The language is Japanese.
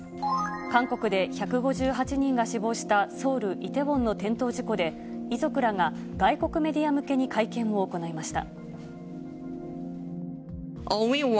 韓国で１５８人が死亡した、ソウル・イテウォンの転倒事故で、遺族らが外国メディア向けに会見を行いました。